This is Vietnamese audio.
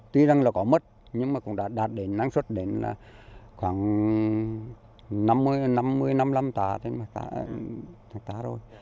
tuy rằng là có mất nhưng mà cũng đã đạt đến năng suất đến là khoảng năm mươi năm mươi năm hectare rồi